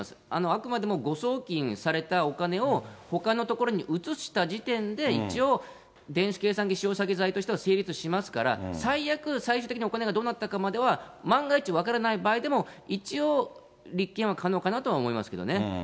あくまでも誤送金されたお金をほかのところに移した時点で、一応、電子計算機使用詐欺罪としては成立しますから、最悪、最終的にお金がどうなったかまでは、万が一分からないまでも、一応、立件は可能かなと思いますけどね。